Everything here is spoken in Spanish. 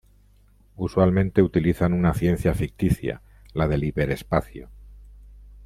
Usualmente utilizan una ciencia ficticia, la del hiperespacio.